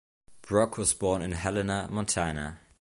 Brock was born in Helena, Montana.